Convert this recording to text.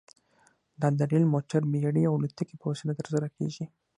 دا د ریل، موټر، بېړۍ او الوتکې په وسیله ترسره کیږي.